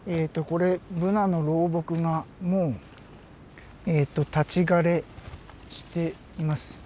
これブナの老木がもう立ち枯れしています。